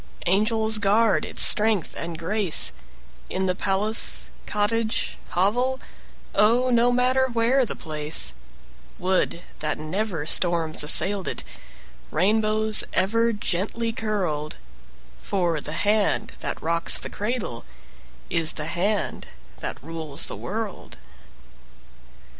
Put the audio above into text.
Angels guard its strength and grace, In the palace, cottage, hovel, Oh, no matter where the place; Would that never storms assailed it, Rainbows ever gently curled; For the hand that rocks the cradle Is the hand that rules the world.